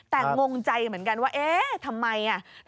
แต่งงใจเหมือนกันว่าเอ๊ะทำไมอ่ะ